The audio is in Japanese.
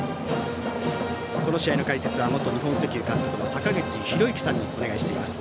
この試合の解説は元日本石油監督の坂口裕之さんにお願いしています。